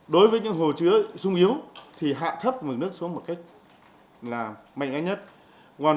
đối với những hồ chứa sung yếu thì hạn thấp một nước